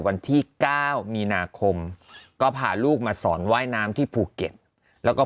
วันที่๙มีนาคมก็พาลูกมาสอนว่ายน้ำที่ภูเก็ตแล้วก็